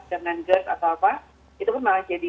dengan gerd atau apa itu pun malah jadi